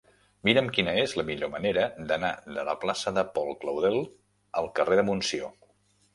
Mira'm quina és la millor manera d'anar de la plaça de Paul Claudel al carrer de Montsió.